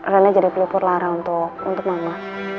rena jadi pelukur lara untuk mama